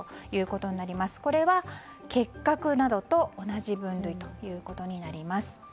これは結核などと同じ分類となります。